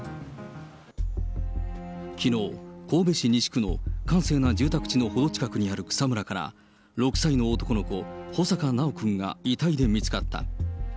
きのう、神戸市西区の閑静な住宅地の程近くにある草むらから、６歳の男の子、穂坂修くんが遺体で見つかった。